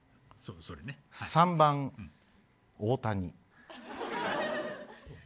３番、大谷。